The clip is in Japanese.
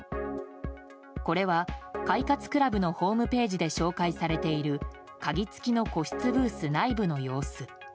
これは、快活ＣＬＵＢのホームページで紹介されている鍵付きの個室ブース内部の様子。